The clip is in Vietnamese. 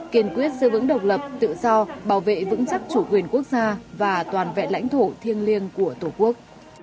kiên quyết giữ vững độc lập tự do bảo vệ vững chắc chủ quyền quốc gia và toàn vẹn lãnh thổ thiêng liêng của tổ quốc